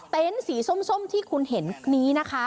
สีส้มที่คุณเห็นนี้นะคะ